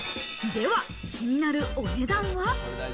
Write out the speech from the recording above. では、気になるお値段は？